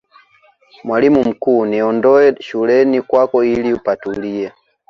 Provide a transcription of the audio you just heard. mwalimu mkuu niondoe shuleni kwako ili patulie